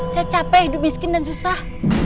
saya capek hidup miskin dan susah